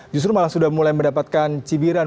justru malah sudah mulai mendapatkan cibiran